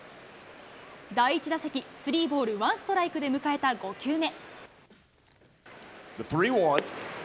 第１打席、スリーボールワンストライクで迎えた５球目。